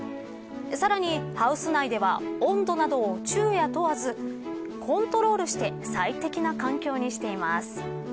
さらに、ハウス内では温度などを昼夜問わずコントロールして最適な環境にしています。